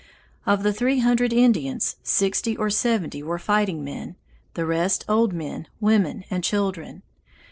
Of the three hundred Indians, sixty or seventy were fighting men the rest old men, women, and children.